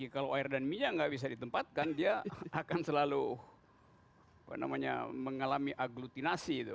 kalau air dan minyak nggak bisa ditempatkan dia akan selalu mengalami aglutinasi